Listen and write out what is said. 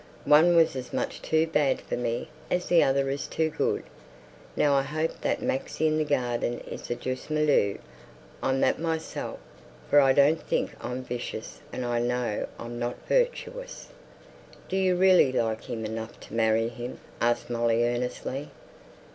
One was as much too bad for me as the other is too good. Now I hope that man in the garden is the juste milieu, I'm that myself, for I don't think I'm vicious, and I know I'm not virtuous." "Do you really like him enough to marry him?" asked Molly earnestly.